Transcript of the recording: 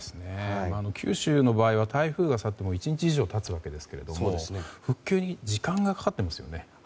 九州の場合は台風が去って１日以上経つわけですが復旧に時間がかかっていますよね。